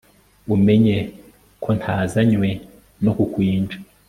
umenye ko ntazanywe no kukwinja